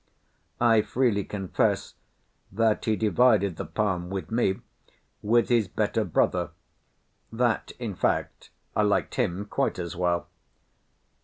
I freely confess that he divided the palm with me with his better brother; that, in fact, I liked him quite as well.